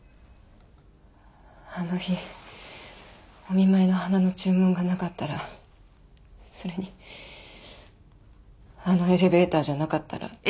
あの日お見舞いの花の注文がなかったらそれにあのエレベーターじゃなかったら。